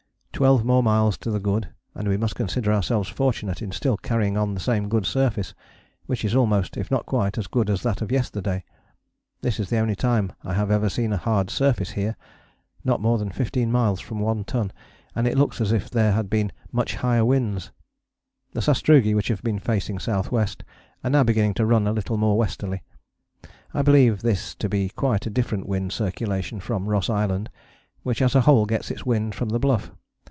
_ Twelve more miles to the good, and we must consider ourselves fortunate in still carrying on the same good surface, which is almost if not quite as good as that of yesterday. This is the only time I have ever seen a hard surface here, not more than fifteen miles from One Ton, and it looks as if there had been much higher winds. The sastrugi, which have been facing S.W., are now beginning to run a little more westerly. I believe this to be quite a different wind circulation from Ross Island, which as a whole gets its wind from the Bluff.